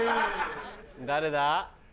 誰だ？